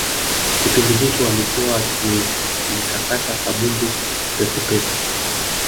kipindi hicho walikuwa wakilisakata kabumbu pekupeku